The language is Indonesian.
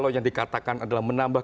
yang dikatakan adalah menambah